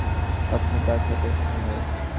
আপনি কার সাথে এসেছেন ভাই?